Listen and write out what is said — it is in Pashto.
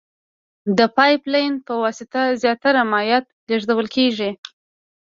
د پایپ لین په واسطه زیاتره مایعات لېږدول کیږي.